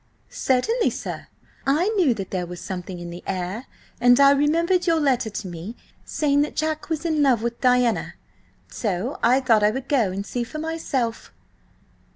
"Certainly, sir. I knew that there was something in the air, and I remembered your letter to me saying that Jack was in love with Diana. So I thought I would go and see her for myself."